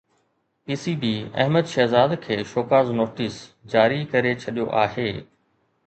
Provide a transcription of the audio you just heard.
P C B Ahmed Shahzad کي show cause notice جاري ڪري ڇڏيو آهي